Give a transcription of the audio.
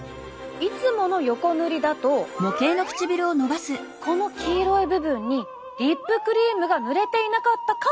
いつものヨコ塗りだとこの黄色い部分にリップクリームが塗れていなかったかもしれないんです。